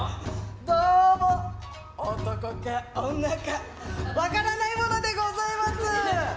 どうも、男か女か分からないものでございます。